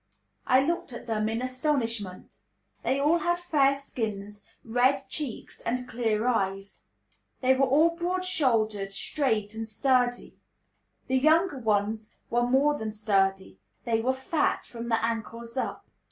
I looked at them in astonishment. They all had fair skins, red cheeks, and clear eyes; they were all broad shouldered, straight, and sturdy; the younger ones were more than sturdy, they were fat, from the ankles up.